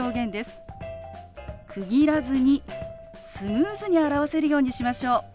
区切らずにスムーズに表せるようにしましょう。